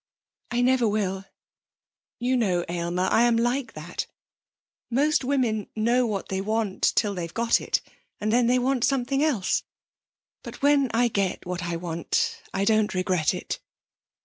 'I never will. You know, Aylmer, I am like that. Most women know what they want till they've got it, and then they want something else! But when I get what I want I don't regret it.'